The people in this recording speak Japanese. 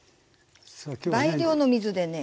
倍量の水でね。